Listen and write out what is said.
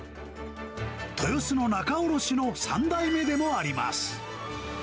豊洲の仲卸の３代目でもあります。